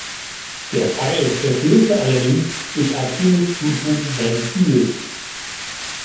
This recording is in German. Der Pfeil verfehlte allerdings durch Athenes Zutun sein Ziel.